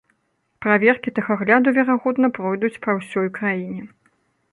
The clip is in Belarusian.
Праверкі тэхагляду верагодна пройдуць па ўсёй краіне.